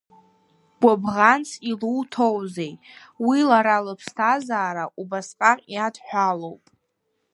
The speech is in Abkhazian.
Гәыбӷанс илуҭозеи, уи лара лыԥсҭазаара убасҟак иадҳәалоуп!